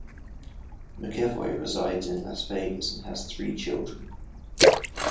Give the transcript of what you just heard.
McEvoy resides in Las Vegas and has three children.